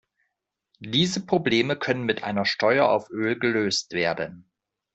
Diese Probleme können mit einer Steuer auf Öl gelöst werden.